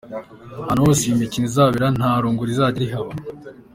Ahantu hose iyi mikino izabera nta rungu rizajya rihaba.